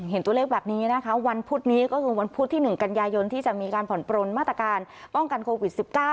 เห็นตัวเลขแบบนี้นะคะวันพุธนี้ก็คือวันพุธที่๑กันยายนที่จะมีการผ่อนปลนมาตรการป้องกันโควิด๑๙